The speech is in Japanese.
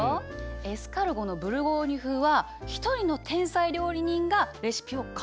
エスカルゴのブルゴーニュ風は一人の天才料理人がレシピを完成させたの。